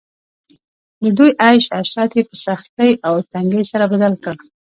د دوی عيش عشرت ئي په سختۍ او تنګۍ سره بدل کړ